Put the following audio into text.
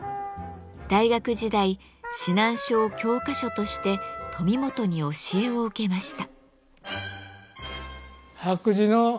大学時代指南書を教科書として富本に教えを受けました。